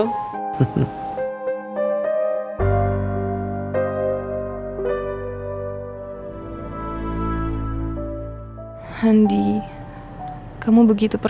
lebih enak dari bos inu